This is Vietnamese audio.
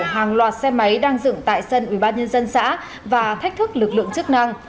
hàng loạt xe máy đang dựng tại sân ubnd xã và thách thức lực lượng chức năng